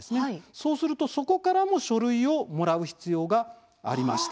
そうすると、そこからも書類をもらう必要がありました。